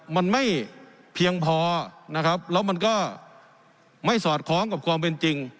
มันไม่เพียงพอนะครับแล้วมันก็ไม่สอดคล้องกับความเป็นจริง